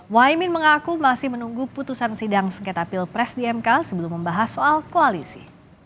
mohaimin mengaku masih menunggu putusan sidang sengketa pilpres di mk sebelum membahas soal koalisi